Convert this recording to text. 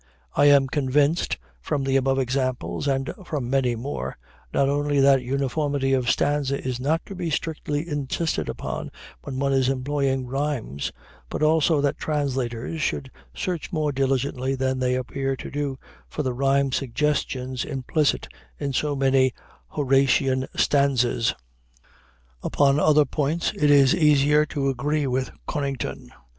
I am convinced, from the above examples and from many more, not only that uniformity of stanza is not to be strictly insisted upon when one is employing rhymes, but also that translators should search more diligently than they appear to do for the rhyme suggestions implicit in so many Horatian stanzas. Upon other points it is easier to agree with Conington.